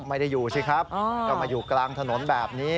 ไม่ได้อยู่สิครับก็มาอยู่กลางถนนแบบนี้